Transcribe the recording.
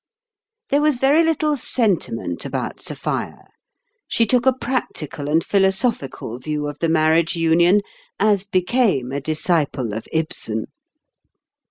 There was very little sentiment about Sophia; she took a practical and philosophical view of the marriage union, as became a disciple of Ibsen.